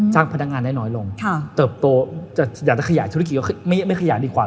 พนักงานได้น้อยลงเติบโตอยากจะขยายธุรกิจก็ไม่ขยายดีกว่า